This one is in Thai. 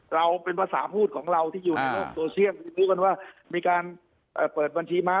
เราเป็นภาษาพูดของเราที่อยู่ในโลกโซเชียลรู้กันว่ามีการเปิดบัญชีม้า